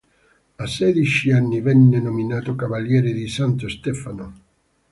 A sedici anni venne nominato cavaliere di Santo Stefano.